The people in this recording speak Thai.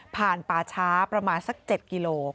ผ่านป่าช้าประมาณสัก๗กิโลกรัม